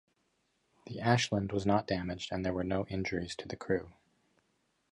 The "Ashland" was not damaged and there were no injuries to the crew.